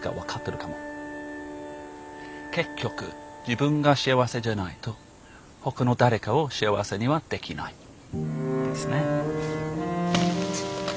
結局自分が幸せじゃないとほかの誰かを幸せにはできないですね。